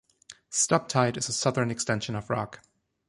Stoptide is a southern extension of Rock.